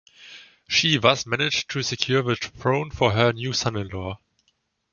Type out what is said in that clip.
She thus managed to secure the throne for her new son-in-law.